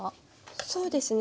そうですね